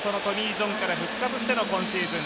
ジョンから復活しての今シーズン。